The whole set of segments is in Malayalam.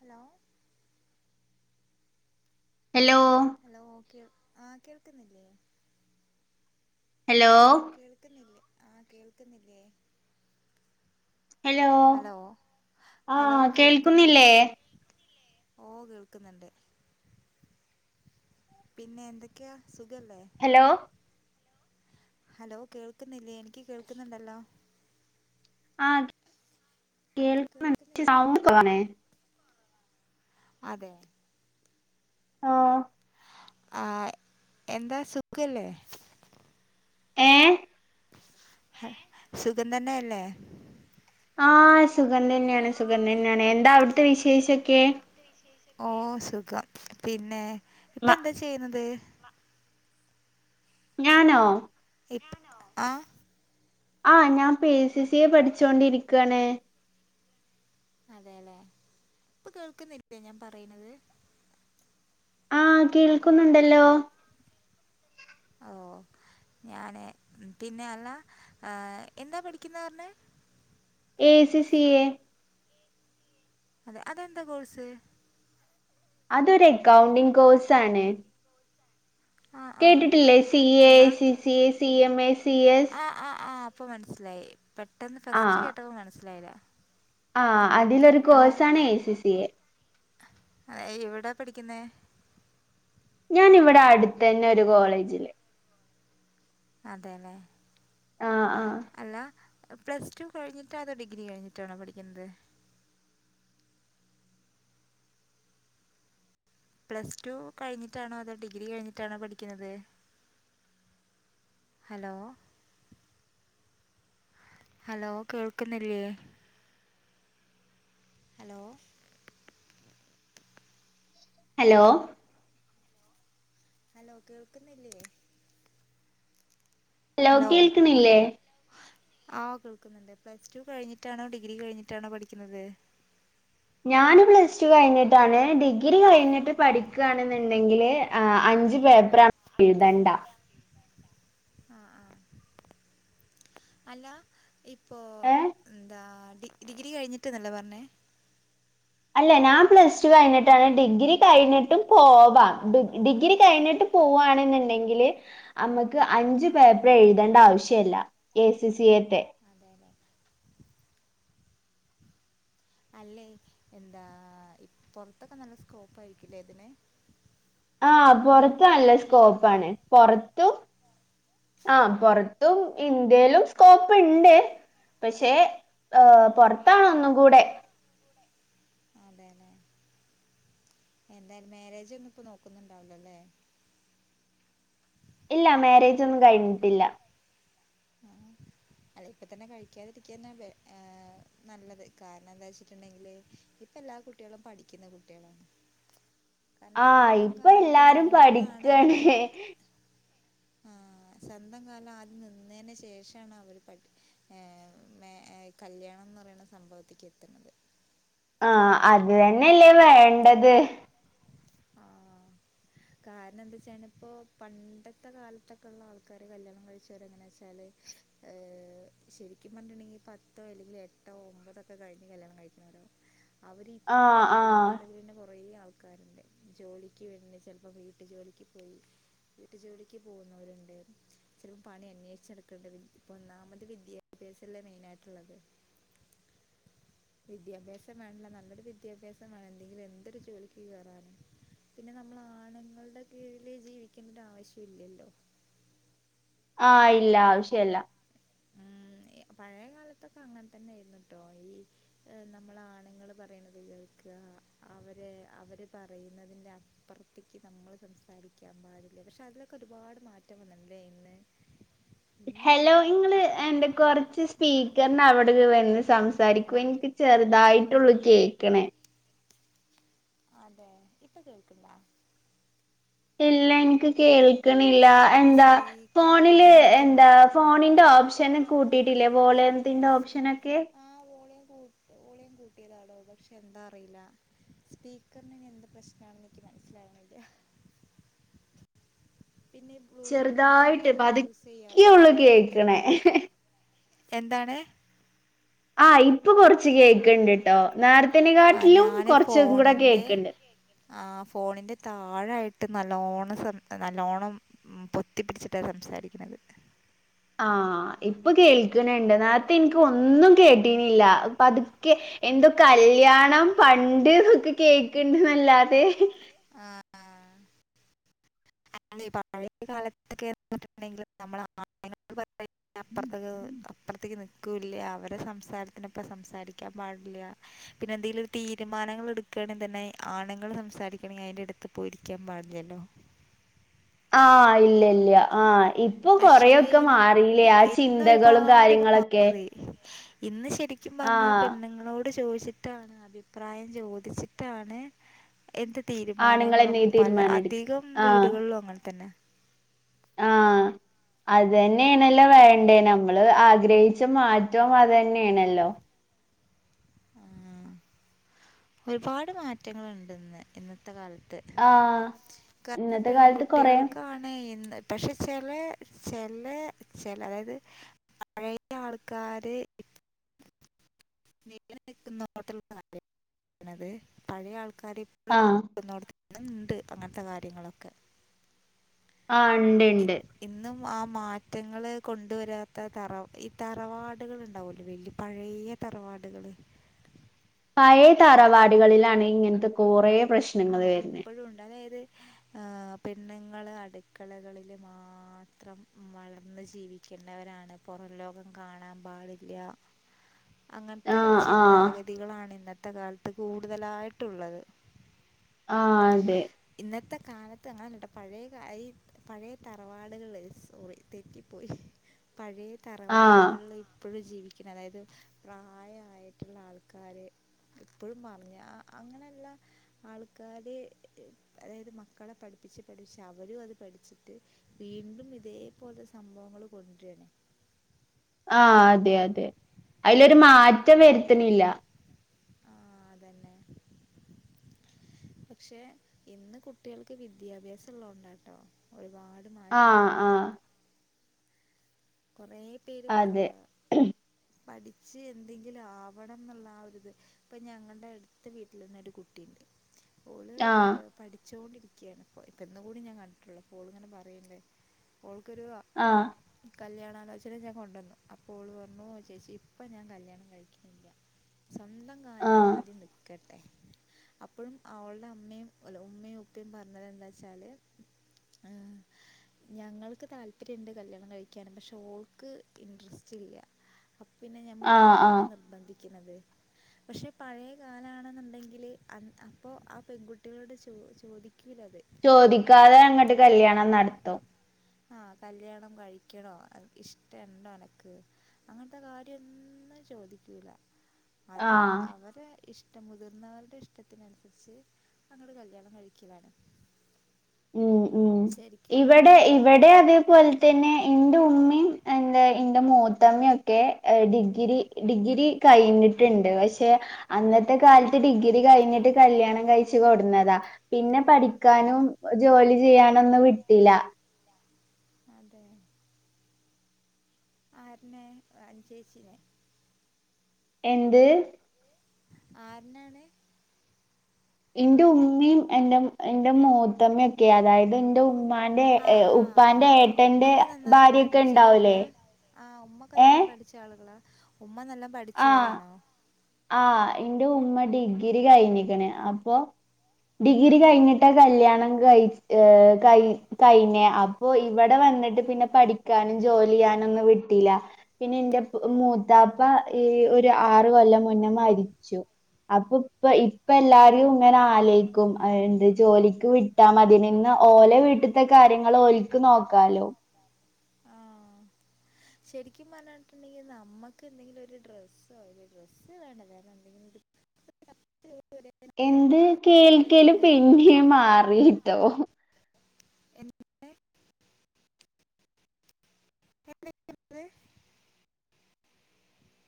ഹലോ ഹലോ ഹലോ കേ ആഹ് കേൾക്കുന്നില്ലേ ഹലോ കേൾക്കുന്നില്ലേ ആഹ് കേൾക്കുന്നില്ലേ ഹലോ ഹലോ കേൾക്കുന്നില്ലേ ഓഹ് കേൾക്കുന്നുണ്ട്. പിന്നെ എന്തൊക്കെയാ സുഖല്ലേ ഹലോ ഹലോ കേൾക്കുന്നില്ലേ, എനിക്ക് കേൾക്കുന്നുണ്ടല്ലോ ആഹ് ഹലോ കേൾക്കു [inaudible] കേൾക്കുന്നില്ലേ സൗണ്ട് [inaudible] ആണേ അതെ ആഹ് ആഹ് എന്താ സുഖല്ലേ ഏഹ് സുഖം തന്നെയല്ലേ? ആഹ് സുഖം തന്നെയാണ്, സുഖം തന്നെയാണ്, എന്താ അവിടുത്തെ വിശേഷൊക്കെ ഓഹ് സുഖം പിന്നെ ഇപ്പൊ എന്താ ചെയ്യുന്നത് ഞാനോ ഇപ്പൊ ആഹ് ആഹ് ഞാൻ പ്പൊ എ സി സി എ പഠിച്ചോണ്ടിരിക്കയാണ്. അതേല്ലെ ഇപ്പൊ കേൾക്കുന്നില്ലേ ഞാൻ പറയുന്നത് ആഹ് കേൾക്കുന്നുണ്ടല്ലോ ഓഹ് ഞാൻ പിന്നെ അല്ല എന്താ പഠിക്കുന്ന പറഞ്ഞ എ സി സി എ അതെ അതെന്താ കോഴ്സ് അതൊരു അക്കൗണ്ടിങ് കോഴ്സ് ആണ് ആ ആ കേട്ടിട്ടില്ലേ സി എ, അല്ല C C A, C M A, C S ആഹ് ആഹ് ഇപ്പൊ മനസ്സിലായി, പെട്ടെന്ന് ഫസ്റ്റ് കേട്ടപ്പോ മനസ്സിലായില്ല ആഹ് അതിലൊരു കോഴ്സാണ് എ സി സി എ അത് എവിടാ പഠിക്കുന്നെ ഞാൻ ഇവിടെ അടുത്തന്നെ ഒരു കോളേജില് അതെല്ലേ ആഹ് ആഹ് അല്ല പ്ലസ് ടു കഴിഞ്ഞിട്ടാ അതോ ഡിഗ്രി കഴിഞ്ഞിട്ടാണോ പഠിക്കുന്നത് പ്ലസ് ടു കഴിഞ്ഞിട്ടാണോ അതോ ഡിഗ്രി കഴിഞ്ഞിട്ടാണോ പഠിക്കുന്നത് ഹലോ ഹലോ കേൾക്കുന്നില്ലേ ഹലോ ഹലോ ഹലോ കേൾക്കുന്നില്ലേ ഹലോ ആഹ് കേൾക്കുന്നുണ്ട്. പ്ലസ് ടു കഴിഞ്ഞിട്ടാണോ ഡിഗ്രി കഴിഞ്ഞിട്ടാണോ പഠിക്കുന്നത് ഞാന് പ്ലസ് ടു കഴിഞ്ഞിട്ടാണ്, ഡിഗ്രി കഴിഞ്ഞിട്ട് പഠിക്കുകയാണെന്നുണ്ടെങ്കില് ആ അഞ്ച് പേപ്പറ് എഴുതണ്ട ആഹ് ആഹ് അല്ല ഇപ്പോൾ ഏഹ് എന്താ ഡി ഡിഗ്രി കഴിഞ്ഞിട്ട്ന്നല്ലേ പറഞ്ഞേ അല്ല ഞാൻ പ്ലസ് ടു കഴിഞ്ഞിട്ടാണ്. ഡിഗ്രി കഴിഞ്ഞിട്ടും പോവാം. ഡി ഡിഗ്രി കഴിഞ്ഞിട്ട് പൂവാണെന്നുണ്ടെങ്കില് ക്ക് അഞ്ചു ആഹ് പേപ്പർ എഴുതേണ്ട ആവശ്യല്ല എ സി സി എത്തെ അതേല്ലേ അല്ലേ എന്താ ഇപ് പുറത്തൊക്കെ നല്ല സ്കോപ്പായിരിക്കുല്ലേ ഇതിന് ആഹ് പൊറത്ത് നല്ല സ്കോപ്പാണ്, പൊറത്തും ആഹ് പൊറത്തും ഇന്ത്യേലും സ്കോപ്പ്ണ്ട് പക്ഷേ പൊറത്താണൊന്നും കൂടെ അതേല്ലേ. എന്തായാലും മാരേജ് ഒന്നും ഇപ്പൊ നോക്കുന്നുണ്ടാവില്ലല്ലേ ഇല്ല മാരേജൊന്നും കഴിഞ്ഞിട്ടില്ല. ആഹ് അല്ല ഇപ്പ തന്നെ കഴിക്കാതിരിക്കന്നാ ബേ ഏ നല്ലത് കാരണം എന്താ വെച്ചിട്ടുണ്ടെങ്കില് ഇപ്പൊ എല്ലാ കുട്ടികളും പഠിക്കുന്ന കുട്ടികളാണ്. കാരണം ആഹ് സ്വന്തം ഇപ്പൊ കാലിൽ എല്ലാരും നിന്നിട്ടാണ് പഠിക്കാണേ ആഹ് സ്വന്തം കാലിൽ ആദ്യം നിന്നേന് ശേഷാണ് അവര് പഠി ഏ മേ എ കല്യാണംന്ന് പറയണ സംഭവത്തിക്ക് എത്തുന്ന്ണ്ട് ആഹ് അത് തന്നെയല്ലേ വേണ്ടത് ആഹ് കാരണം എന്താച്ചഞ്ഞാ ഇപ്പൊ പണ്ടത്തെ കാലത്തൊക്കെള്ള ആൾക്കാര് കല്യാണം കഴിച്ചവരെ എങ്ങനെ വെച്ചാല് ഏ ശരിക്കും പറഞ്ഞ്ട്ടുണ്ടെങ്കി പത്തോ അല്ലെങ്കില് എട്ടോ ഒമ്പതോക്കെ കഴിഞ്ഞ് കല്യാണം കഴിക്കുന്നവരോ ആ അവരിപ്പോ ആ ഇപ്പം ഇന്റെ അറിവില്ന്നെ കുറേ ആൾക്കാരുണ്ട് ജോലിക്ക് വേണ്ടി ചെലപ്പോ വീട്ടു ജോലിക്ക് പോയി വീട്ടു ജോലിക്ക് പോകുന്നവരൊണ്ട് ചിലര് പണി അന്വേഷിച്ചെടുക്കണ്ട് വി ഇപ്പ ഒന്നാമത് വിദ്യാഭ്യാസല്ലെ മെയ്നായിട്ടുള്ളത്. വിദ്യാഭ്യാസം വേണ്ല്ലോ നല്ലൊരു വിദ്യാഭ്യാസം വേണം എന്തെങ്കിലും എന്തൊരു ജോലിക്ക് കേറാനും പിന്നെ നമ്മള് ആണ്ങ്ങൾടെ കീഴില് ജീവിക്കെണ്ട ആവശ്യം ഇല്ലല്ലോ ആഹ് ഇല്ല ആവശ്യല്ല. ഉം എ പഴയ കാലത്തൊക്കെ അങ്ങനെ തന്നേയിരുന്നു ട്ടോ ഈ നമ്മളാണുങ്ങള് പറയുന്നത് കേൾക്കുക അവര് അവര് പറയുന്നതിന്റെ അ പ്പറത്തേക്ക് നമ്മള് സംസാരിക്കാൻ പാടില്ല പക്ഷെ അതിലൊക്ക ഒരുപാട് മാറ്റം വന്നിണ്ട്ല്ലേ ഇന്ന് പിന്നെ ഇങ്ങള് എന്റെ കൊറച്ച് സ്‌ സ്പീക്കറിനവിടരെ വന്ന് സംസാരിക്കു എനിക്ക് ചെറുതായിട്ടുള്ളു കേക്കണേ അതെ ഇപ്പൊ കേൾക്കൺണ്ടാ ഇല്ല എനിക്ക് കേൾക്കണില്ല ഇതിന്റെ എന്താ സ്പീക്കർ ഫോണില് എവിടാന്നിക്ക് എന്താ ഫോണിന്റെ ഓപ്ഷന് കൂട്ടീട്ടില്ലേ വോളിയത്തിന്റെ ഓപ്ഷനൊക്കെ ആഹ് വോളിയം കൂട്ട് വോളിയം കൂട്ടിയതാടോ പക്ഷെ എന്താ അറിയില്ല സ്പീക്കറിന് ഇനി എന്ത് പ്രശ്നാണെന്ന് എനിക്ക് മനസ്സിലാവണില്ല പിന്നെ ബ്ലൂടൂത്ത് ചെറുതായിട്ട് ഹെഡ്സെറ്റ് യൂസെയ്യാറുണ്ടിതിന് ക്ക്ണെ എന്താണ് ആഹ് ഇപ്പൊ കൊറച്ച് കേക്കണ്ട് ട്ടോ ആഹ് നേരത്തേനേക്കാട്ടിലും കുറച്ചും കൂടെ കേക്കണ്ട് ആ ഫോണിന്റെ താഴെയായിട്ട് നല്ലോണം സെം നല്ലോണം ഉം പൊത്തിപ്പിടിച്ചിട്ടാണ് സംസാരിക്കുന്നത്. ആഹ് ഇപ്പൊ കേൾക്കണണ്ട് നേ ത്തെനിക്ക് ഒന്നും കേട്ടീനില്ല പതുക്കെ എന്തൊ കൽ ല്യാണം പണ്ട് ന്നൊക്കെ കേക്കണ്ട്ന്നല്ലാതെ ആഹ് ആഹ് [unintelligible] പഴയ കാലത്തൊക്കെ ട്ടുണ്ടെങ്കിൽ നമ്മള് [unintelligible] അപ്പറ്ത്തത് ഇപ്ര ഇപ്പറത്തേക്ക് നൽക്കൂല്ല അവരെ സംസാരത്തിനൊപ്പം സംസാരിക്കാൻ പാടില്ല പിന്നെ എന്തെങ്കിലും ഒരു തീരുമാനങ്ങൾ എടുക്കുകണെങ്ക തന്നെ ആണുങ്ങൾ സംസാരിക്കണെങ്കിൽ അതിന്റെ അടുത്ത് പോയി ഇരിക്കാൻ പാടില്ലല്ലോ. ആഹ ഇല്ല ഇല്ല ആഹ ഇപ്പൊ പക്ഷേ കൊറെക്കെ ഇന്ന് മാറില്ലേ ആ ഇന്ന് ചിന്തകളും ഒരുപാട് കാര്യങ്ങളൊക്കെ. മാറി ഇന്ന് ശരിക്കും പറഞ്ഞാ ആഹ് പെണ്ണുങ്ങളോട് ചോദിച്ചിട്ട് ട്ടാണ് അഭിപ്രായം ചോദിച്ചിട്ടാണ് എന്ത് തീരുമാനങ്ങളും ആണുങ്ങളെന്നെ ഈ പല തീരുമാനം എടുക്ക അധികം ആഹ് വീടുകളിലും അങ്ങനെ തന്നെ ആഹ് അതന്നേണല്ലോ വേണ്ടി നമ്മള് ആഗ്രഹിച്ച മാറ്റം അതന്നെ തന്നേണല്ലോ ആഹ് ഒരുപാട് മാറ്റങ്ങളുണ്ട്ന്ന് ഇന്നത്തെ കാലത്ത്. ആഹ് ത്ത് കാരണം ഇന്നത്തെ കാലത്ത് കൊറേ പെൺകുട്ടികൾക്കാണെയ് ഇന്ന് പക്ഷെ ചെലേ ചെലേ ചെല അതായത് പഴയ ആൾക്കാര് നീ ഇങ്ങനെ നിക്കുന്നോട്ട കാര്യ പറണത് പഴയ ആൾക്കാരെ ഇപ്പോ ആഹ് നിക്കുന്നോട്ത്ത് [unintelligible] ള്ണ്ട് അങ്ങൻത്തെ കാര്യങ്ങളൊക്കെ. ആഹ് ഇണ്ട് ഇ ഇണ്ട് ഇന്നും ആ മാറ്റങ്ങള് കൊണ്ടുവരാത്ത തറ ഈ തറവാടുകൾ ഉണ്ടാവല്ലോ വല്യേ പഴയ തറവാടുകള് പഴേ തറവാടികളിലാണ് ഇങ്ങനത്തെ കൊറേ പ്രശ്ന ആഹ് ഇപ്പഴും ഉണ്ട് അതായത് ഏഹ് പെണ്ണുങ്ങൾ അടുക്കളകളിൽ മാത്രം വളർന്ന് ജീവി ക്കുന്നവരാണ് പുറം ലോകം കാണാൻ പാടില്ല്യ [inaudible] അങ്ങൻത്തെ ആഹ് ആഹ് ചിന്താഗതികളാണ് ഇന്നത്തെ കാലത്ത് കൂടുതലായിട്ടുള്ളത്. ആഹ് അതെ ഇന്നത്തെ കാലത്ത് അങ്ങനെല്ലട്ടാ പഴേ കായി പഴയ തറവാടുകൾള് സോറി തെറ്റിപ്പോയി പഴേ ആഹ് തറവാടുകൾള് പ്പോഴും ജീവിക്കുന്ന അതായത് പ്രായായിട്ട്ള്ള ആൾക്കാര് ഇപ്പഴും മർഞ്ഞ് ആഹ് അങ്ങനല്ല. ആൾക്കാര് അതായത് മക്കളെ പഠിപ്പിച്ച് പഠിച്ച് അവരും അത് പഠിച്ചിട്ട് വീണ്ടും ഇതേപോലെ സംഭവങ്ങൾ കൊണ്ട്രാണ്. ആഹ് അതെ അതെ അയ്ലൊര് മാറ്റം വെര്ത്ത്ണില്ല. ആഹ് അതന്നെ, പക്ഷെ ഇന്ന് കുട്ടിയാൾക്ക് വിദ്യാഭ്യാസള്ളോണ്ടട്ടോ ഒരുപാട് ട് ആഹ് മാറ്റള്ളത്. ആഹ് കൊറേ പേര് അതെ ഏഹ് പഠിച്ച് എന്തെങ്കിലും ആവണം ന്നുള്ള ആ ഒരു ഇത്. പ്പൊ ഞങ്ങൾടെ അടുത്ത് വീട്ടിലെന്നെ ഒരു കുട്ടിണ്ട് ഓള് ആഹ് പഠിച്ചോണ്ടിരിക്യാണ്. ഇപ്പൊ ഇപ്പോന്ന് കൂടി ഞാൻ കണ്ടിട്ടുളളു അ പോള്ങ്ങനെ പറയിണ്ട് ഓൾക്കൊരു ആഹ് കല്യാണാലോചന ഞാൻ കൊണ്ടുവന്നു. അപ്പോ ഓള് പറഞ്ഞു ചേച്ചിഇപ്പം ഞാൻ കല്യാണം കഴിക്ക്ണില്ല. [inaudible] സ്വന്തം കാലില് ആഹ് ആദ്യം നിക്കട്ടെ, അപ്പൊഴും അവൾടെ അമ്മയും അല്ല ഉമ്മയും ഉപ്പയും പറഞ്ഞത് എന്താച്ചാല് ഏഹ് ഞങ്ങൾക്ക് താല്പര്യംണ്ട് കല്ല്യാണം കഴി ക്കാന് പഷേ ഓൾക്ക് ഇന്ട്രസ്റ്റ് ഇല്ല. അപ്പ്‌ പിന്നെ ആഹ് ഞമ്മളെന്തിനാ ആഹ് നിർബന്ധിക്കുന്നത്. പഷേ പഴയ കാലമാണെന്നുണ്ടെങ്കില് അ അപ്പൊ ആ പെൺകുട്ടികളോട് ചോ ചോദിക്യൂലത്. ചോദിക്കാതെ അങ്ങട്ട് കല്ല്യാണം നടത്തും. ആഹ് കല്യാണം കഴിക്കണോ ഇഷ്ടണ്ടോ അനക്ക് അങ്ങൻത്തെ കാര്യൊന്നും ചോദിക്കൂല അത് ആഹ് അവരെ ഇഷ് ടം മുതിർന്നവരുടെ ഇഷ്ടത്തിനനുസരിച്ച് അങ്ങട് കല്യാണം കഴിക്കുവാണ്. ഉം ഉം ഇവടെ ഇന്ന് ഇവടെ അതേപോൽ തന്നെ എന്റെ ഉമ്മിയിം എന്താ ഇന്റെ മൂത്തമ്മെക്കെ ഡിഗ്രി ഡിഗ്രി കഴിഞ്ഞിട്ടുണ്ട് പഷേ അന്നത്തെ കാലത്ത് ഡിഗ്രി കഴിഞ്ഞിട്ട് കല്യാണം കഴിച്ച് കൊടുന്നതാ. പിന്നെ പഠിക്കാനും ജോലി ചെയ്യാനൊന്നു വിട്ടില്ല. അതെ. ആറിനെ അനു ചേച്ചിനെ എന്ത്? ആറിനാണ്? എന്റെ ഉമ്മീം എന്റെ എന്റെ മൂത്തമ്മയൊക്കെ അതായത് എന്റെ ഉ ഉമ്മാന്റെ ആഹ് ആഹ് ഉപ്പാന്റെ ആഹ് ആഹ് ഏട്ടന്റെ ഉമ്മൊക്കെ നന്നായി ഭാര്യ ഒക്കെ പഠിച്ച ഉണ്ടാവൂലേ? ആളുകളാ ആഹ് ഉമ്മൊക്കെ നല്ല ഏഹ് പഠിച്ച ആളുകളാ ഉമ്മ നല്ല പഠ ആഹ് ആഹ് എന്റെ ഉമ്മ ഡിഗ്രി കഴിഞ്ഞിക്ക്ണ് അപ്പൊ ഡിഗ്രി കഴിഞ്ഞിട്ട കല്യാണം കഴിച്ച ഹ് കഴി കൈനെ അപ്പൊ ഇവിടെ വന്നിട്ട് പിന്നെ പഠിക്കാനും ജോലി ചെയ്യാനും ഒന്നും വിട്ടില്ല. പിന്നെ എന്റെ മൂത്താപ്പ ഈ ഒരു ആറ് കൊല്ലം മുന്നെ മരിച്ചു. അപ്പൊ ഇപ്പ ഇപ്പ എല്ലാരും ഇങ്ങനെ ആലോയ്ക്കും എന്ത് ജോലിക്ക് വി ട്ട മതിനി നിന്ന് ഓലെ വീട്ട്ത്തെ കാര്യങ്ങൾ ഒൽക്ക് നോക്കാലോ. ആഹ് ശരിക്കും പറഞ്ഞിട്ടുണ്ടെങ്കിൽ നമ്മുക്ക് എന്തെങ്കിലും ഒരു ഡ്രസ്സോ ഒരു ഡ്രസ്സ് വേണ്ട വേറെ എന്തെങ്കിലും. [unintelligible] എന്ത് ഒരാളെ കയ്യിന്ന് കേൾക്കലും ഇങ്ങനെ പിന്നെയും മാറിട്ടോ. എന്ത്? [unintelligible]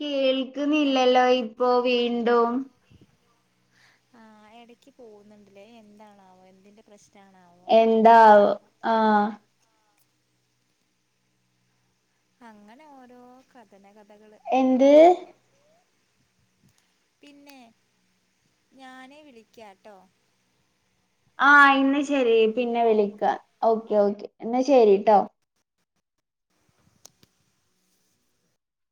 കേൾക്കുന്നില്ലല്ലോ ഇപ്പോ വീണ്ടും. ആഹ് ഇടക്ക് പോകുന്നുണ്ടില്ലേ എന്താണാവോ എന്തിന്റെ പ്രശ്ന ആണാവോ? എന്താവോ ആഹ്. അങ്ങനെ ഓരോ കഥനകഥകള്. എന്ത്? പിന്നെ ഞാന് വിളിക്കാട്ടോ. ആഹ് എന്ന് ശരി പിന്നെ വിളിക്കാ ഓക്കെ ഓക്കെ എന്ന് ശരി ട്ടോ.